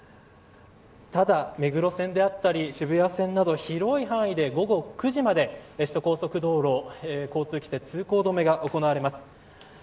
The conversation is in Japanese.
ただ、目黒線であったり渋谷線など広い範囲で午後９時まで首都高速道路通行止めが行われます。